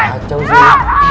gak ada kacau sih